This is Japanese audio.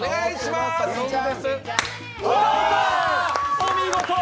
お見事！